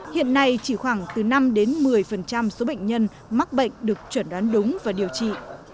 hiện nay chỉ khoảng từ năm đến một mươi số bệnh nhân mắc bệnh được chuẩn đoán đúng và điều trị